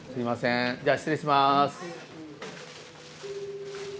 じゃあ失礼します。